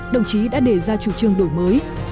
đồng chí đã đề ra chủ trương đổi mới